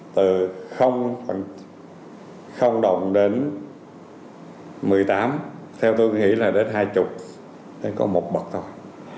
từ đồng đến một mươi tám theo tôi nghĩ là đến hai mươi thì có một bậc thôi